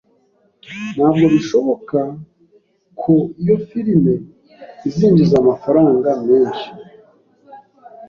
Ntabwo bishoboka ko iyo firime izinjiza amafaranga menshi.